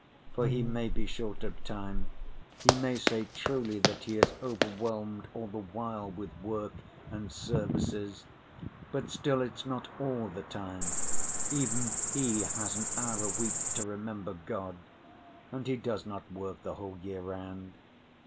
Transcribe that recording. For he may be short of time, he may say truly that he is overwhelmed all the while with work and services, but still it's not all the time, even he has an hour a week to remember God. And he does not work the whole year round.